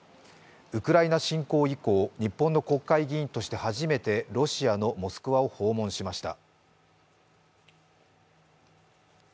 ウクライナ侵攻以降、日本の国会議員として初めてロシアのモスクワを訪問しました。